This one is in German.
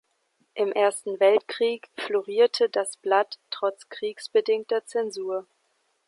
Im Ersten Weltkrieg florierte das Blatt trotz kriegsbedingter Zensur.